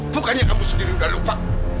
bukannya kamu sendiri udah lupa